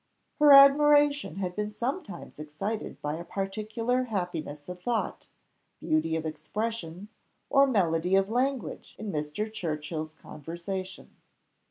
Her admiration had been sometimes excited by a particular happiness of thought, beauty of expression, or melody of language in Mr. Churchill's conversation.